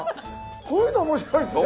こういうの面白いですね。